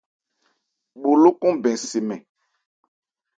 Bho lókɔn bɛn se mɛn.